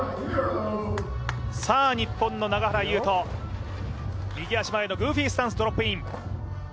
日本の永原悠路、右足前のグーフィースタンスドロップイン。